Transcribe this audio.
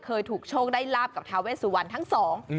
เคยถูกโชคได้รับกับท้าเวสวันทั้งสอง